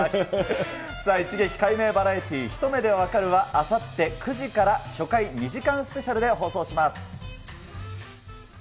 さあ、一撃解明バラエティひと目でわかる！はあさって９時から初回２時間スペシャルで放送します。